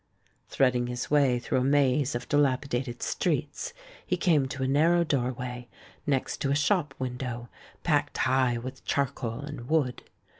Threading his way through a maze of dilapidated streets, he came to a narrow doorway, next a shop window packed high with charcoal and wood.